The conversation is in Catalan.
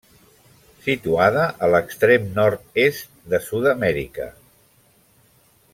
Situada a l'extrem nord-est de Sud-amèrica.